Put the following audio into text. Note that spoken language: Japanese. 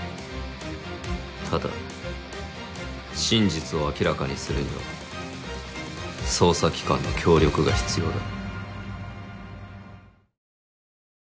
ただ真実を明らかにするには捜査機関の協力が必要だ。